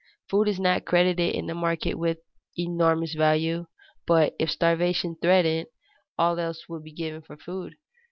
Food is not credited in the market with enormous value, but if starvation threatened, all else would be given for food.